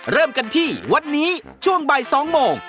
เริ่มกันที่วันนี้ช่วงบ่าย๒โมง